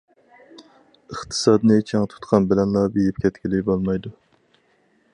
ئىقتىسادنى چىڭ تۇتقان بىلەنلا بېيىپ كەتكىلى بولمايدۇ.